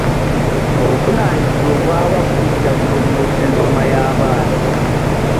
Obuvunaanyizibwa obw'awamu bujja kulongoosa ensoma y'abaana.